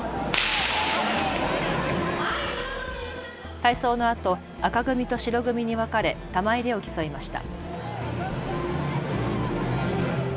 体操のあと、赤組と白組に分かれ玉入れを競いました。